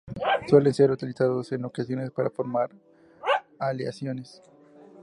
Suelen ser utilizados en ocasiones para formar aleaciones.